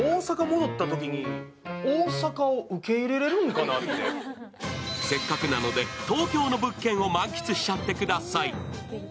先に言っちゃいますとせっかくなので東京の物件を満喫しちゃってください。